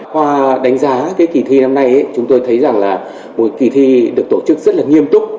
qua đánh giá cái kỳ thi năm nay chúng tôi thấy rằng là một kỳ thi được tổ chức rất là nghiêm túc